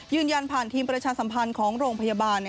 ยืนยันผ่านทีมประชาสัมพันธ์ของโรงพยาบาล